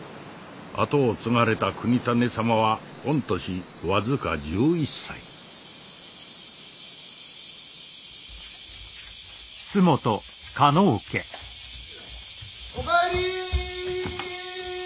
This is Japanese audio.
跡を継がれた邦稙様は御年僅か１１歳お帰り！